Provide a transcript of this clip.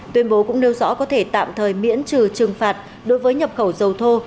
tuyên bố cũng nêu rõ có thể tạm thời miễn trừ trừng phạt đối với nhập khẩu dầu thô